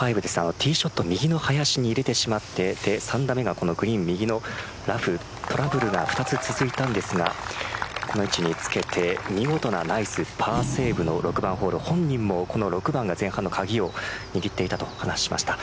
ティーショット右の林に入れてしまって３打目がグリーン右のラフトラブルが２つ続いたんですがこの位置につけて見事なナイスパーセーブの６番ホール本人もこの６番が前半の鍵を握っていたと話しました。